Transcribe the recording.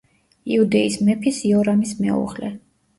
იუდეის მეფის იორამის მეუღლე.